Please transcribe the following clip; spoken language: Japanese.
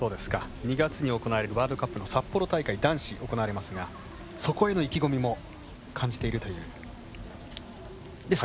２月に行われるワールドカップの札幌大会男子、行われますがそこへの意気込みも感じているという坂野です。